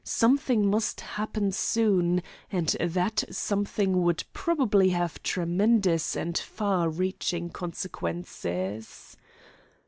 Something must happen soon, and that something would probably have tremendous and far reaching consequences.